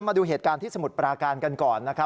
มาดูเหตุการณ์ที่สมุทรปราการกันก่อนนะครับ